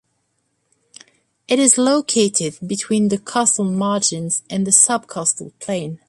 It is located between the costal margins and the subcostal plane.